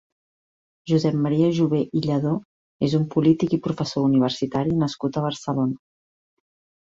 Josep Maria Jové i Lladó és un polític i professor universitari nascut a Barcelona.